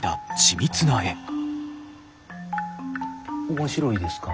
面白いですか？